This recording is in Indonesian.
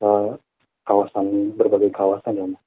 tapi mungkin harapan kami yang menjadi satu harapan besar ya mas